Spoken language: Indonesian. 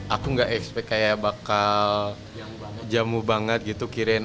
aku gak expect kayak bakal jamu banget gitu kirain